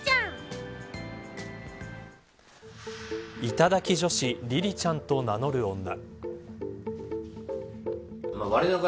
頂き女子りりちゃんと名乗る女。